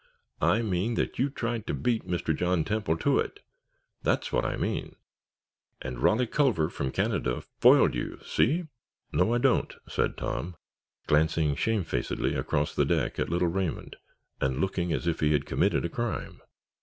"I mean that you tried to beat Mr. John Temple to it—that's what I mean! And Rolly Culver from Canada FOILED you! See?" "No, I don't," said Tom, glancing shamefacedly across the deck at little Raymond and looking as if he had committed a crime.